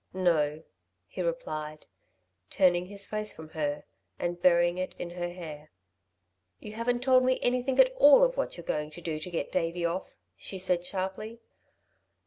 "No," he replied, turning his face from her and burying it in her hair. "You haven't told me anything at all of what you're going to do to get Davey off," she said sharply.